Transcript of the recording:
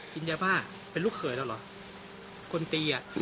กินยาบ้าเป็นลูกเขยแล้วเหรอคนตีอ่ะ